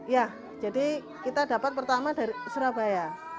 ya jadi kita dapat pertama dari surabaya